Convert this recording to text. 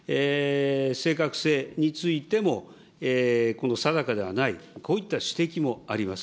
正確性についても定かではない、こういった指摘もあります。